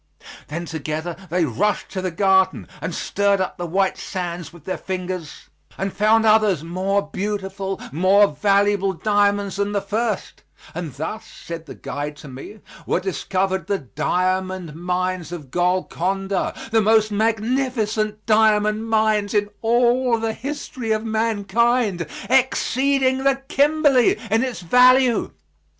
Then together they rushed to the garden and stirred up the white sands with their fingers and found others more beautiful, more valuable diamonds than the first, and thus, said the guide to me, were discovered the diamond mines of Golconda, the most magnificent diamond mines in all the history of mankind, exceeding the Kimberley in its value.